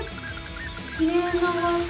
きれいな場しょ！